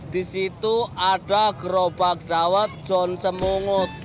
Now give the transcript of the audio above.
di situ ada gerobak dawet john semungut